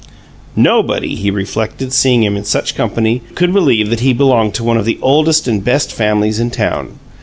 Nobody, he reflected, seeing him in such company, could believe that he belonged to "one of the oldest and best families in town."